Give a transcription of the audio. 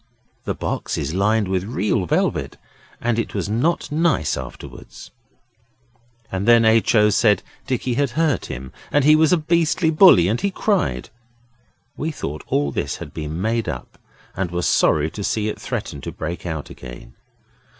The box is lined with red velvet and it was not nice afterwards. And then H. O. said Dicky had hurt him, and he was a beastly bully, and he cried. We thought all this had been made up, and were sorry to see it threaten to break out again.